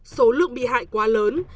số lượng bị hại quá lớn